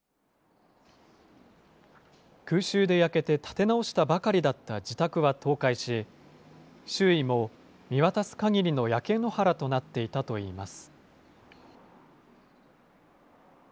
空襲で焼けて建て直したばかりだった自宅は倒壊し、周囲も見渡すかぎりの焼け野原となっていたといいます。